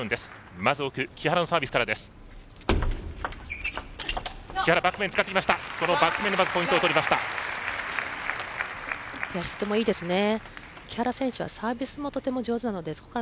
まず木原のサービスから。